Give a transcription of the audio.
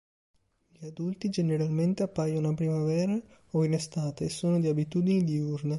Gli adulti generalmente appaiono a primavera o in estate e sono di abitudini diurne.